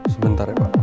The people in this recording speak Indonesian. sebentar ya pak